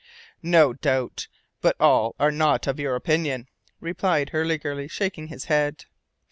"No doubt but all are not of your opinion," replied Hurliguerly, shaking his head.